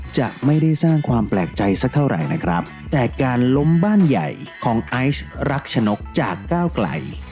จะไม่ได้สร้างความแปลกใจสักเท่าไหร่นะครับแต่การล้มบ้านใหญ่ของไอซ์รักชนกจากก้าวไกล